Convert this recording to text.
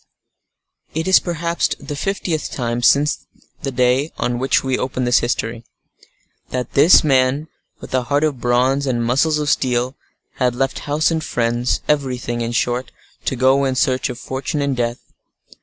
It was perhaps the fiftieth time since the day on which we open this history, that this man, with a heart of bronze and muscles of steel, had left house and friends, everything, in short, to go in search of fortune and death.